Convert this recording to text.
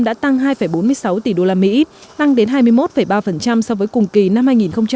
đã tăng hai bốn mươi sáu tỷ usd tăng đến hai mươi một ba so với cùng kỳ năm hai nghìn một mươi chín